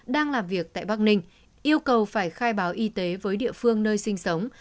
đang làm việc tại bắc ninh yêu cầu phải khai báo y tế với địa phương nơi sinh sống